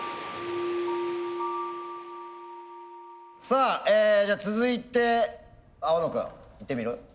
さあじゃあ続いて青野君いってみる？